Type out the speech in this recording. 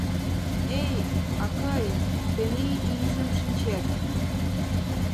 — Эй, акый, тений ийжым шинчет...